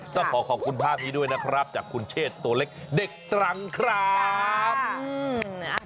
ต้องขอขอบคุณภาพนี้ด้วยนะครับจากคุณเชษตัวเล็กเด็กตรังครับ